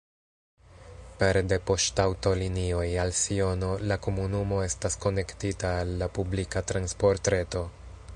Pere de poŝtaŭtolinioj al Siono la komunumo estas konektita al la publika transportreto.